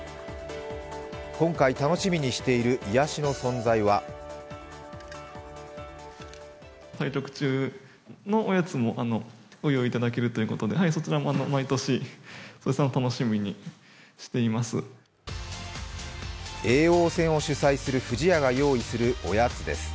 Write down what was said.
今回楽しみにしている癒やしの存在は叡王戦を主催する不二家が用意するおやつです。